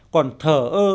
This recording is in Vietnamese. còn thờ ơ